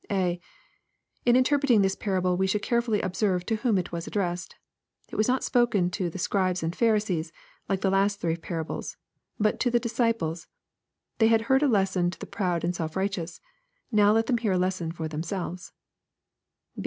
(A.) In interpreting this parable, we should carefully observe to whom it was addressed. It was not spoken to the Scribes and Pharisees," like the three last parables, but " to the disciple?" They had heard a lesson to the proud and self righteous. Now let them hear a lesson for themselves.